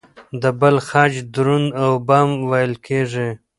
د بل خج دروند او بم وېل کېږي.